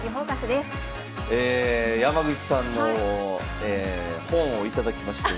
え山口さんの本を頂きまして。